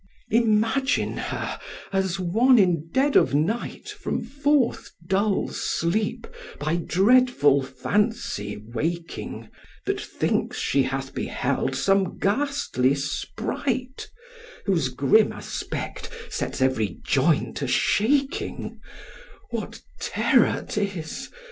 Imagine her as one in dead of night From forth dull sleep by dreadful fancy waking, That thinks she hath beheld some ghastly sprite, Whose grim aspect sets every joint a shaking: What terror 'tis!